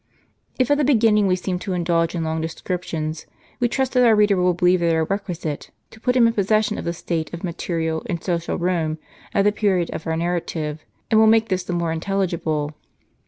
If at the beginning we seem to indulge in long descrip tions, we trust that our reader will believe that they are requisite, to put him in possession of the state of material and social Kome at the period of our narrative; and will make this the more intelligible.